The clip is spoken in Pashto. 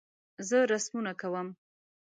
زه رسمونه کوم